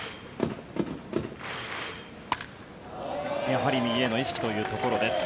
やはり右への意識というところです。